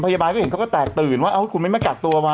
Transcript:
พยาบาลก็เห็นเขาก็แตกตื่นว่าคุณไม่มากักตัววะ